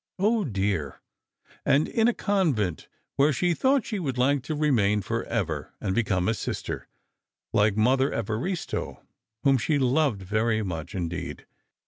Oh, dear, and in a convent, where she thought she would like to remain forever, and become a sister, like Mother Evaristo, whom she loved very much indeed!